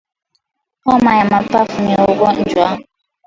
Homa ya mapafu ni ugonjwa